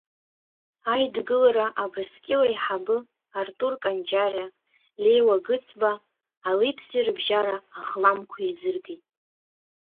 Аидгылара Абрыскьыл аиҳабы Артур Конџьариа, Леиуа Гыцба али-ԥси рыбжьара аӷламқәа еизыргеит.